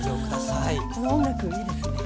いやこの音楽いいですね。